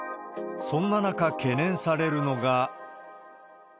そんな中、懸念されるのが。